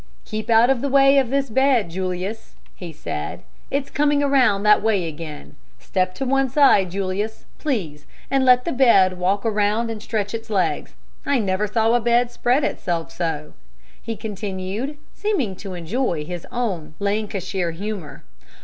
"Keep out of the way of this bed, Julius," he said. "It is coming around that way again. Step to one side, Julius, please, and let the bed walk around and stretch its legs. I never saw a bed spread itself so," he continued, seeming to enjoy his own Lancashire humor.